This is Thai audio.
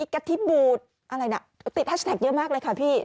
เกษตรน้องปุ่งอะไรติดแฮสเทคเยอะมากเลยค่ะพี่